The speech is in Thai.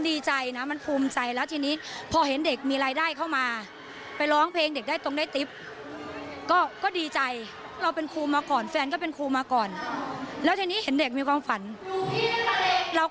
ได้มีงานมีเงินมาเลี้ยงครอบครัว